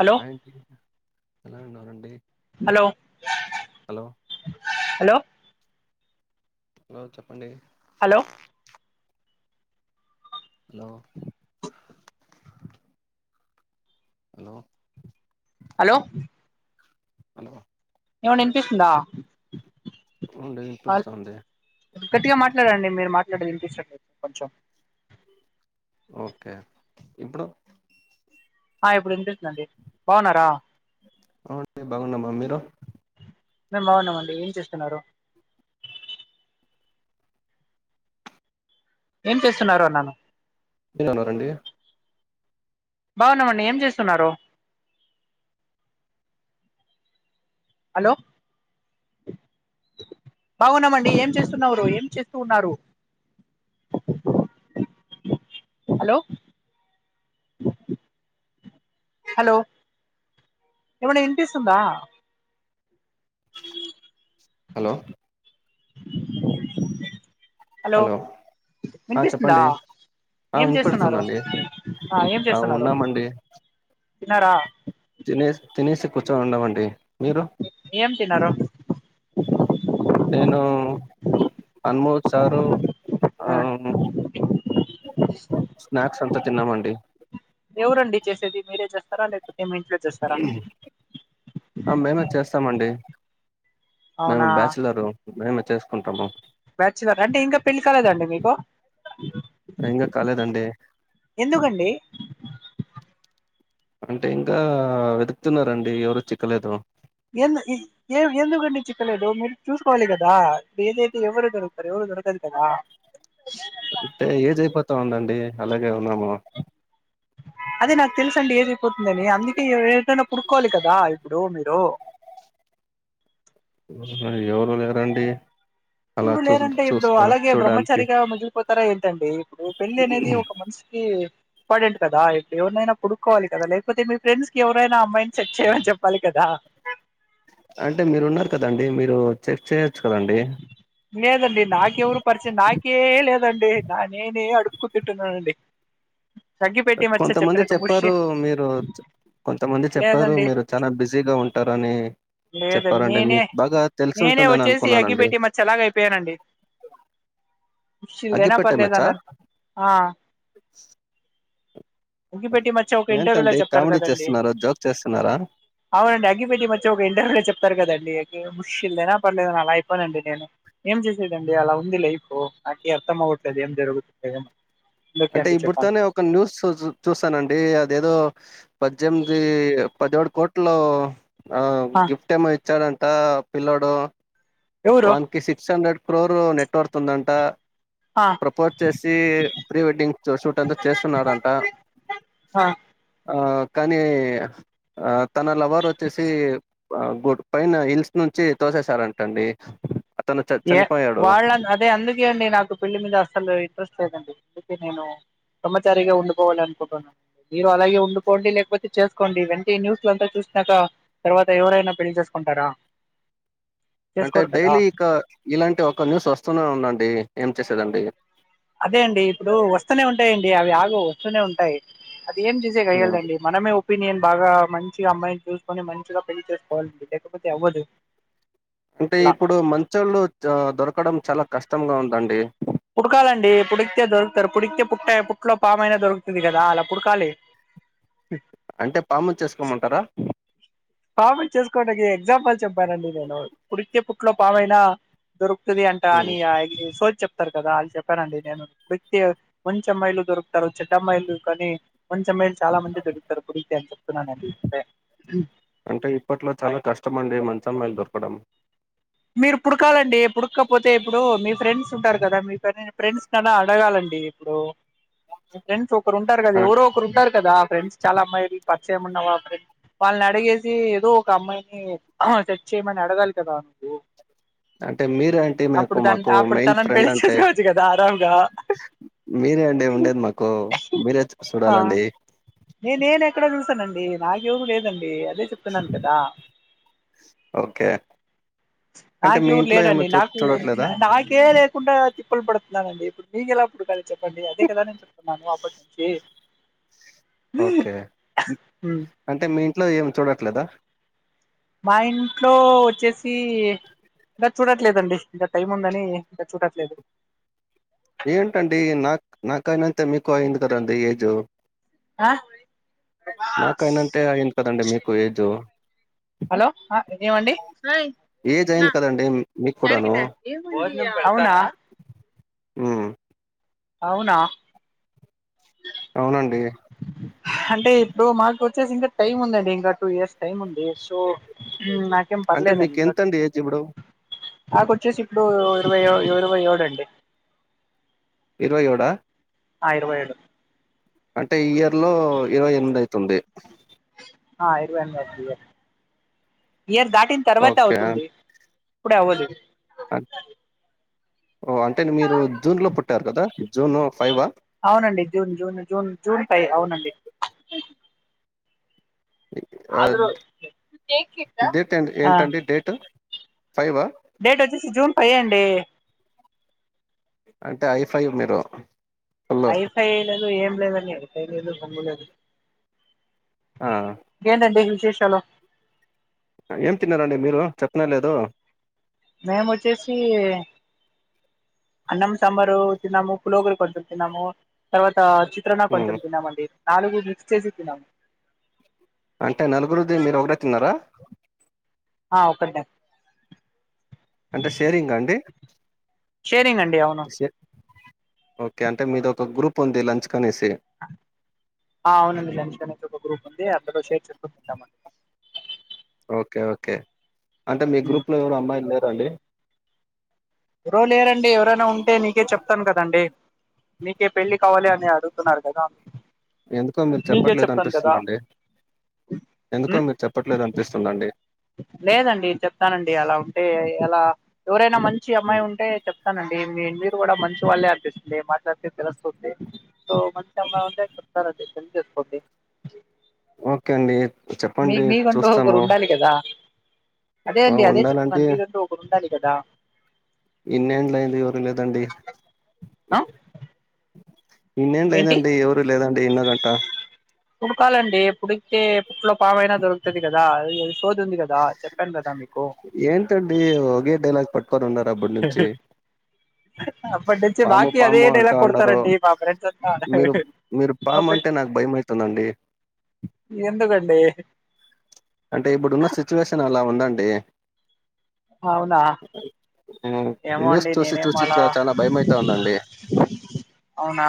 Hello aunty ఎలా ఉన్నారండి hello hello hello hello చెప్పండి hello hello hello hello hello ఏమండీ వినిపిస్తుందా అవుఅండి వినిపిస్తుంది గట్టిగా మాట్లాడండి మీరు మాట్లాడేది వినిపించట్లేదు కొంచెం ఓకే ఇప్పుడు ఆ ఇప్పుడు వినిపిస్తుందండి బాగున్నారా అవునండి బాగున్నామ్మా మీరు మేము బాగున్నామండి ఏం చేస్తున్నారు ఏం చేస్తున్నారు అన్నాను ఏనన్నారండి బావున్నామండి ఏం చేస్తున్నారు హలో బాగున్నామండి ఏం చేస్తున్నవురు ఏం చేస్తూ ఉన్నారు అ హలో హలో ఏమండి వినిపిస్తుందా అ హలో హలో ఆ వినిపిస్తుందా చెప్పండి ఆ ఏం చేస్తున్నారు వినిపిస్తుందండి ఆ ఏం చేస్తున్నారు తిన్నారా తినేసి తినేసి కూచోనిఉన్నమం ఏం తిన్నారు నేను అనుము చారు ఆ స్నాక్స్ అంతా తిన్నామండి ఎవరండి చేసేది మీరే చేస్తారా లేకపో తే మీ ఇంట్లో చేేస్తారా ఆ మేమే చేస్తామండి మేము బ్యాచులరు మేమే చేసుకుంటాము బ్యాచులరా అంటే ఇంకా పెళ్ళి కాలేదాండి మీకు ఇంకా కాలేదండి ఎందుకండి అంటే ఇంకా వెతుకుతున్నారంండి ఎవరు చిక్కలేదు ఎందు ఏ ఎందుకండి చిక్కలేదు మీరు చూసుకోవాలి కదా లేట్ అయితే ఎవరు దొరుకుతారు దొరకరు కదా అంటే ఏజ్ అయిపోతా ఉందండి అలాగే ఉన్నాము అదే నాకు తెలుసండి ఏజ్ అయిపోతుందని అందుకే ఏదైనా పుడుకోవాలి కదా ఇప్పుడు మీరు [inaudible] ఎవరు లేరండి అలా ఇప్పుడు చూ లేరంటే ఇప్పుడు చూస్తా అలాగే చూడడానికి బ్రహ్మచారిగా మిగిలిపోతారా ఏంటండి ఇప్పుడు పెళ్లి అనేది ఒక మనిషి కీ ఇంపార్టెంట్ కదా ఇప్పుడు ఎవరినైనా పుడుకోవాలి కదా లేకపోతే మీ ఫ్రెండ్స్‌కి ఎవరైనా అమ్మాయిని సెట్ చేయమని చెప్పాలి కదా ఆ చెట్ చేయొచ్చు కదండి లేదండి నాకెవరు పరిచయం నాకే లేదండి నేనే అడు క్కుతింటున్నానండి కొంతమంది చెప్పారు మీరు కొంతమంది చెప్పారు లేదండి మీరు చానా బిజీగా ఉంటారని లేదు చెప్పారండి నేనే మీక్ బాగా తెలిసి నేనే ఉంటుందని అనుకు వచ్చేసి అగ్గిపెట్టి మచ్చలాగ అయిపోయానండి శిలయినా అగ్గిపెట్టె పర్ద్లే మచ్చా అల ఆ [unintelligible] పెట్టి మచ్చ ఒక ఇంటర్వ్యూలో ఏంటండి చెప్తారు కామెడీ కదండి చేస్తున్నారా జోక్ చేస్తున్నారా అవునండి అగ్గిపెట్టి మచ్చి ఒక ఇంటర్వ్యూలో చెప్తారు కదండి ముషల్దనా పర్లేదన అలా అయిపోనండి నేను ఏం చేసేదండి అలా ఉంది లేైఫో నాకె అర్థమ పోటది ఏం జరుగు అంటే ఇప్పుడితోనే ఒక న్యూసుజు చూస్తానండి అదేదో పజ్జేమ్ది పదిహేడు కోట్లు ఆ గిఫ్ట్ ఏమో ఇచ్చాడంట పిల్లోడు ఎవరు వన్కి సిక్స్ హండ్రెడ్ క్రోరు నెట్వర్త్ ఉందంట ఆ ప్రపోజ్ చేసి ప్రీ వెడ్డింగ్ షూట్ అంతా చేస్తున్నారంట ఆ ఆ కానీ ఆ తన లవర్ వచ్చేసి గుడ్ పైన హిల్స్ నుంచి తోసేసారంటండి ఏ వాళ్ళ అదే అందుకే అండి నాకు పెళ్లి మీద అసలు ఇంట్రెస్ట్ లేదండి అందుకే నేను బ్రహ్మచారిగా ఉండుకోవాలనుకుంటున్నాను మీరు అలాగే ఉండుపోండి లేకపోతే చేసుకోండి వెంటి న్యూస్లు అంతా చూస్ సాక తర్వాత ఎవరైనా పెళ్లి చేసుకుంటాడా [inaudible] అంటే డైలీ ఇక ఇలాంటి ఒక న్యూస్ వస్తూనే ఉందండి ఏం చేసేదండి అదే అండి ఇప్పుడు వస్తూనే ఉంటాయండి అవి ఆగవ్ వస్తూనే ఉంటాయి అది ఏం చేసే హ్మ్ కయ్యాలదండి మనమే ఒపీనియన్ బాగా మంచిగా అమ్మాయిని చూసుకొని మంచిగా పెళ్లి చేసుకోవాలి లేకపోతే అవ్వదు అంటే అలా ఇప్పుడు మంచోళ్ళు దొరకడం చాలా కష్టంగా ఉందండి పుడకాలండి పుడికితే దొరుకుతారు పుడికితే పుట్ట పుట్లో పామయినా దొరుకుతది కదా అలా పుడకాలి [inaudible] అంటే పాము చేసుకోమంటారా పాము చేసుకోవడానికి ఎగ్జాంపుల్ చెప్పానండి నేను పుడికితే పుట్లో పామైనా దొరుకు క్తది అంటా హ్మ్. అని చెప్తారు కదా వాళ్ళు చెప్పానండి నేను ప్రతి మంచి అమ్మాయిలు దొరుకుతారు చెడ్డ అమ్మాయిలు కానీ మంచమ్మాయిలు చాలా మంది దొరుగుతారు పుడిగితే అని చెప్తున్నాన అంటే ఇప్పట్లో చాలా కష్టం అండి మంచమ్మాయిలు దొరకడం మీరు పుడకాలండి పుడకపోతే ఇప్పుడు మీ ఫ్రెండ్స్ ఉంటారు కదా మీ ఫ్రెండ్స్ నన్నా అడగాలం డి ఇప్పుడు మీ ఫ్రెండ్స్ ఒకరు ఉంటారు కదా అ ఎవరో ఒకరు ఉంటారు కదా ఫ్రెండ్స్ చాలా అమ్మాయి పరిచయంమున్న వాళ్ళనీ వాళ్ళని అడిగేసి ఏదో ఒక అమ్మాయిని సెట్ చేయమని అడగాలి కదా నువ్వు అంటే మీర ఏంటి అప్పుడు మీకు దాని మాకు అప్పుడు మెయిన్ తనని ఫ్రెండ్ పెళ్లి అంటే చేసుకోవచ్చు కదా ఆరాంగా మీరే అండి ఉండేది మాకు మీరే సుడాలండి ఎ నేనేక్కడ చూస్తానండి నాకెవరు లేదండి అదే చెప్తున్నాను కదా కే నాకెవరు లేరండి చూడట్లేదా? నాకే లేకుండా తిప్పులు పడుతున్నానండి మీకెలా [unintelligible] చెప్పండి అదే కదా నేను చెప్తున్నాను అప్పటి నుంచి ఓకే ఉమ్. అంటే మీ ఇంట్లో ఏం చూడట్లేదా మా ఇంట్లో వచ్చేసి ఇంకా చూడట్లేదండి ఇంకా టైం ఉందని ఇంకా చూడట్లేదు ఏంటండి నాక్ నాకనా త మీకుయింద కదండీ ఏజో ఆ నాకు అయినంతే అయింది కదండి మీకు ఏజ్ హలో ఆ ఏమండి ఏజ్ అయింది కదండి మీకు మీకూడాను అవునా ఆ అవునా అవునండి అంటే ఇప్పుడు మాకు వచ్చేసి ఇంకా టైం ఉందండి ఇంకా టూ ఇయర్స్ టైం ఉంది సో నాకేం అంటే మీకు పర్లేదండి కట్టు ఎంతండి ఏజ్ ఇప్పుడు? నాక వచ్చేసి ఇప్పుడు ఇరవై ఇరవై ఓడు అండి ఇరవై ఓడా ఆ ఇరవైఏడు అంటే ఇయర్ లో ఇరవై ఎనిమిది అయితుంది ఆ ఇరవై ఎని ఇయర్ ఇయర్ దాటిన తర్వాత ఓకే. అవుతుంది ఇప్పుడే అవ్వదు ఓ అంటే మీరు జూన్ లో పుట్టారు కదా జూను ఫైవ్ అవునండి జూన్ జూన్ జూన్ జూన్ పై అవునండి ఆ డేట్ ఏ ఏంటండి డేట్ ఫైవ్ డేట్ వచ్చేసి జూన్ పై అండి అంటే ఐఫైవ్ మీరు ఫుల్లు. ఐఫై లేదు ఏం లేదండి అఐఫై లేదు పమ్ంగ లేదు ఆ! కేంటండి విశేషాలు ఏం తిన్నారండి మీరు చెప్పిన లేదు మేము వచ్చేసి అన్నం సాబారు టీన్నాము పులుగురుకొ తురు తన్నాము తర్వాత చిత్రణ హ్మ్. కొంచెం తిన్నామండి నాలుగు మిక్స్ చేసి తిన్నాము అంటే నలుగురుది మీరు ఒకటే తిన్నారా ఆ ఒకడా అంటే షేరింగ్ అండి షేరింగ్ అండి అవును శే ఓకే అంటే మీద ఒక గ్రూప్ ఉంది లంచ్ కనేసి. ఆ అవునండి జనీ ఒక గ్రూప్ ఉంది అంత షేర్ చేసుకుంటూ తింటామ ఓకే ఓకే అంటే మీ గ్రూప్లో ఎవరు అమ్మాయిలు లేరండి ఎవరలేరండి ఎవరైనా ఉంటే నీకే చెప్తాను కదండి మీకే పెళ్ళి కావాలి అని అడుగుతున్నారు కదా ఎందుకో మీరు మీకే చెప్పట్లేదు చెప్తాను కదా అనిపిస్తుందండి ఎందుకో ఉమ్ మీరు చెప్పట్లేదు అనిపిస్తుందండి లేదండి చెప్తానండి అలా ఉంటే ఎలా ఎవరైనా మంచి అమ్మాయి ఉంటే చెప్తానండి మీరు కూడా మంచి వాళ్ళే అనిపిస్తుంది మాట్లాడితే తెలస్తుంది సో మంచి అమ్మా ఉంటే చెప్తారు సుకోండి ఓకే అండి మీ చెప్పండి మీకంటూ ఒకరు చూస్తాము. ఉండాలి కదా అదే ఆ అండి అదే ఉండాలంటే చెప్పున్నాను మీదంటూ ఒకరు ఉండాలి కదా ఇన్నంలైందిజూరలే దండి ఆ ఇన్నేళ్లు ఏంటి అయిందండి ఎవరు లేదండి ఇన్నో గంట పుడకాలండి పుడికితే పుట్లో పాము అయినా దొరుకుతుంది కదా అ ఏంటండీ ఓగే డైలాగ్ పట్ ఒక్కరు ఉండరు అప్పటి నుంచి అప్పటి నుంచి పాము మాకి అదే పాము అంట డైలాగ్ ఉన్నారు కొడతారండి మా ఫ్రెండ్స్ అంతా మీరు మీరు పాము అంటే నాకు భయం అయితాండండి ఎందుకండీ అంటే ఇప్పుడు ఉన్న సిచ్యువేషన్ అలా ఉందండి అవునా హ్మ్. ఏమో న్యూస్ అండి చూసి నేనేం చూసి చ అలా చాలా భయమైతా ఉందండి. అవునా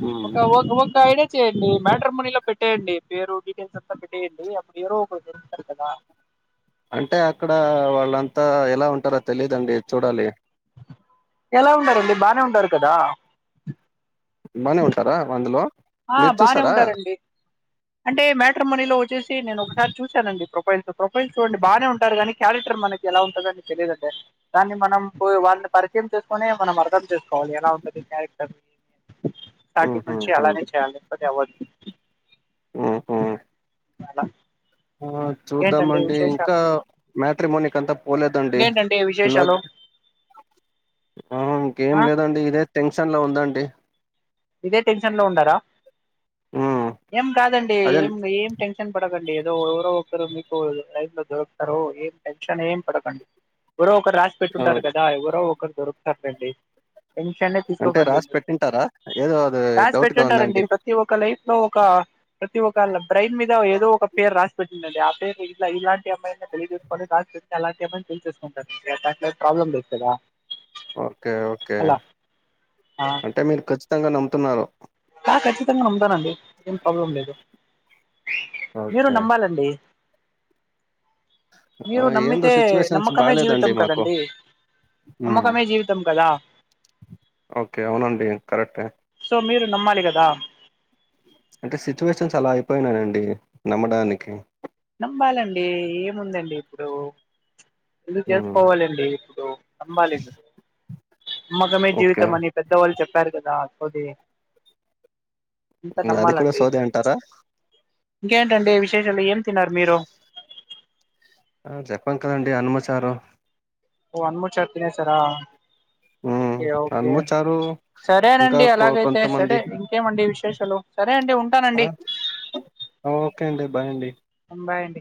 హ్మ్. ఒక ఒక ఒక ఐడి ఇచ్చేయండి మ్యాటర్మనీలో పెట్టేయండి పేరు డీటెయిల్స్ అంతా పెట్టేయండి అప్పుడు ఎవరో ఒకరు దొరుకుతారు కదా అంటే అక్కడ వాళ్ళంతా ఎలా ఉంటారో తెలిదండి చూడాలి ఎలా ఉంటారండి బానే ఉంటారు కదా బానే ఉంటారా అందులో ఆ మీరు బానే చూసారా? ఉంటారండి అంటే మ్యాట్రిమోనీ వచ్చేసి నేను ఒకసారి చూశానండి ప్రొైల్స్ ప్రొఫైల్స్ చూడండి బానే ఉంటారు కానీ క్యారెక్టర్ మనకి ఎలా ఉంటుంద అని తెలిదంటే దాన్ని మనం వాళ్ళ పరిచయం చేసుకునీ మనం అర్థం చేసుకోవాలి ఎలా ఉంటంది క్యారెక్టర్ సాటి మంచి హుహుహు. అలానే చేయాలి కొన్ని అవాయిడ్ హుహు. మేడమ్ ఆ చూద్దామండి ఇంకా మ్యాట్రిమోనీ కి అంట పోలేదండి ఇంకేంటండి ఇలా విశేషాలు ఇంకేం ఆ లేదండి ఇదే టెన్షన్లో ఉందాండి ఇదే టెన్షన్ లో ఉండరా మ్మ్ ఏం కాదండి అదే ఏం ఏం టెన్షన్ పడకండి ఏదో ఎవరో ఒకరు మీ లైఫ్ లో దొరుకుతారు ఏం టెన్షన్ ఏం పడకండి ఎవరో ఒకరు రాసి ఆ! పెట్టుంటారు కదా ఎవరో ఒకరు దొరుకుతారు లేండి టెన్షన్ ఏ అంటే తీసుకోకండి రాసి పెట్టింటారా ఏదో అది రాసి డౌట్ గా పెట్ంటుటారండి ఉందండి ప్రతి ఒక్క లైఫ్ లో ఒక ప్రతి ఒక బ్రెయిన్ మీద ఏదో ఒక పేరు రాసి పెట్టిందండి ఆ పేరు ఇలా ఇలాంటి అమ్మాయి చూసుకొనీ రాసి అలాంటి అమ్మాయిని పెళ్లి చేసుకుంటారు దాంట్లో ప్రాబ్లమ్ లేదు కాదా ఓకే ఓకే ఆ అంటే మీరు ఖచ్చితంగా నమ్ముతున్నారు ఆ ఖచ్చితంగా నమ్ముతానండి ఏం ప్రాబ్లం లేదు మీరు ఓకే నమ్మాలండి ఆ! మీరు ఏందో నమ్మితే సిచ్యువేషన్స్ నమ్మకమే జీవితం బాలేదండి మాకు కదండి మ్మ్ నమ్మకమే జీవితం కదా ఓకే అవునండి కరెక్టే సో మీరు నమ్మాలి కదా అంటే సిచ్యువేషన్స్ అలా అయిపోయినాయండి నమ్మడానికి నమ్మాలండి ఏముందండి ఇప్పుడు పెళ్లి మ్మ్ చేసుకోవాలండి ఇప్పుడు నమ్మాలి నమ్మకమే ఓకే జీవితం అని పెద్దవాళ్ళు చెప్పారు కదా అది అంత అది కూడా నమ్మాలండి సోదే అంటారా ఇంకేంటంటే విశేషాలు ఏం తిన్నారు మీరు ఆ చెప్పాను కదండడి అన్నము చారు ఓ అన్నము చారు సరా మ్మ్ ఓకే ఓకే అనుమచారు ఇంకా సరేనండి కొ అలాగైతే సరే కొంతమంది ఇంకేమండి విశేషాలు సరే అండి ఆ ఉంటానండి ఓకే అండి బాయ్ అండి బాయ్ అండి